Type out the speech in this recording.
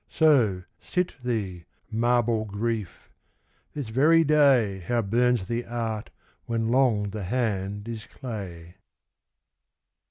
So sit thee, marble Grief ! this very day How burns the art when long the hand is clay